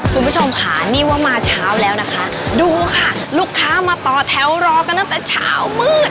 คุณผู้ชมค่ะนี่ว่ามาเช้าแล้วนะคะดูค่ะลูกค้ามาต่อแถวรอกันตั้งแต่เช้ามืด